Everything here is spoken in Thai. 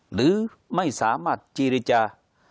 หรือไม่สามารถเจรจา